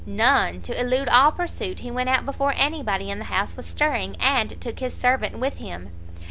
"None; to elude all pursuit, he went out before any body in the house was stirring, and took his servant with him."